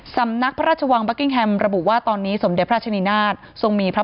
สำนักพระราชวังบัคกิงแฮมระบุว่าตอนนี้สมเด็จพระราชนินาคลิซาเบสที่๒เมื่อ๑๒มีนาคม